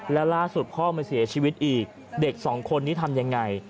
แล้วล่าสุดพ่อมาเสียชีวิตอีกเด็กสองคนนี้ทำยังไง